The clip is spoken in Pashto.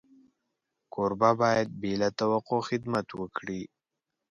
کوربه باید بې له توقع خدمت وکړي.